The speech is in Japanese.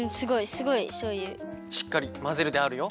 しっかりまぜるであるよ。